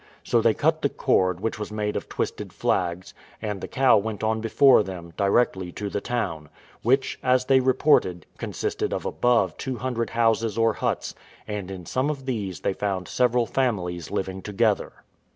So they cut the cord, which was made of twisted flags, and the cow went on before them, directly to the town; which, as they reported, consisted of above two hundred houses or huts, and in some of these they found several families living together.